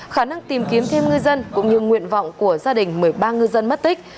khả năng tìm kiếm thêm ngư dân cũng như nguyện vọng của gia đình một mươi ba ngư dân mất tích